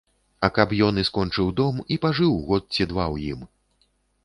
А каб ён і скончыў дом, і пажыў год ці два ў ім.